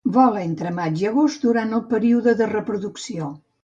Vola entre maig i agost durant el període de reproducció.